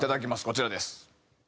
こちらです。